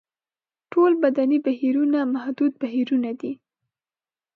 ټول بدني بهیرونه محدود بهیرونه دي.